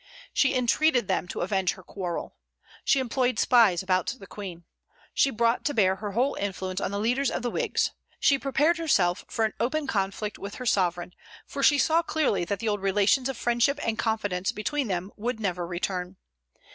She entreated them to avenge her quarrel. She employed spies about the Queen. She brought to bear her whole influence on the leaders of the Whigs. She prepared herself for an open conflict with her sovereign; for she saw clearly that the old relations of friendship and confidence between them would never return.